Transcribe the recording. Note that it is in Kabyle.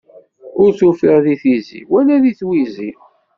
Ur t-ufiɣ di tizi, wala di twizi.